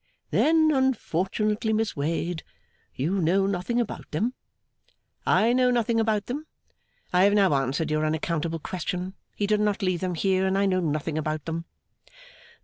'Then unfortunately, Miss Wade, you know nothing about them?' 'I know nothing about them. I have now answered your unaccountable question. He did not leave them here, and I know nothing about them.